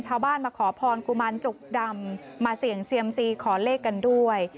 ชาวบ้านมาขอพรกุมารจุกดำมาเสี่ยงเซียมซีขอเลขกันด้วย